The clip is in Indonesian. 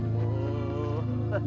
ya ampun pak